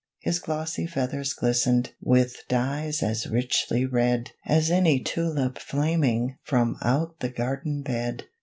His glossy feathers glistened With dyes as richly red As any tulip flaming From out the garden bed.